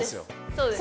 そうです。